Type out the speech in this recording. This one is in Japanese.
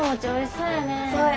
そうやね。